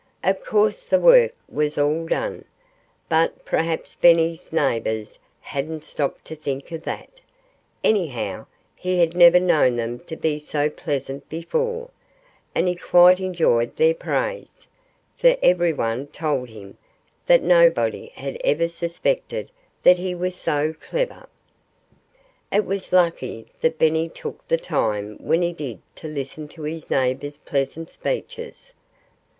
Of course the work was all done. But perhaps Benny's neighbors hadn't stopped to think of that. Anyhow he had never known them to be so pleasant before. And he quite enjoyed their praise; for everyone told him that nobody had ever suspected that he was so clever. It was lucky that Benny took the time when he did to listen to his neighbors' pleasant speeches.